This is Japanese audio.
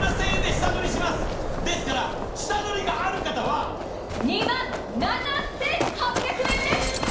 ですから、下取りがある方は２万７８００円です！